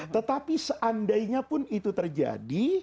tetapi seandainya pun itu terjadi